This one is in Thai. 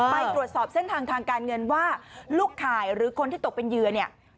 ไปตรวจสอบเส้นทางทางการเงินว่าลูกข่ายหรือคนที่ตกเป็นเหยื่อเนี่ย